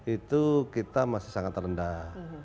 itu kita masih sangat rendah